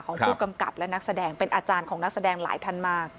ของผู้กำกับและนักแสดงเป็นอาจารย์ของนักแสดงหลายท่านมาก